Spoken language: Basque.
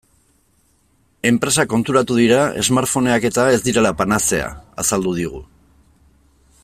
Enpresak konturatu dira smartphoneak-eta ez direla panazea, azaldu digu.